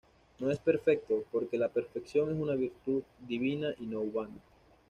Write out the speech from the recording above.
No es perfecto, porque la perfección es una virtud divina y no humana.